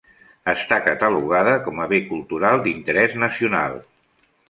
Està catalogada com a Bé Cultural d'Interès Nacional.